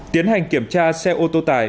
tiến hành kiểm tra xe ô tô tải